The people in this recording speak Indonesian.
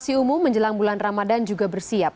masih umum menjelang bulan ramadan juga bersiap